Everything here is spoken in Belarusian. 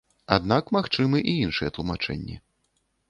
Аднак магчымы і іншыя тлумачэнні.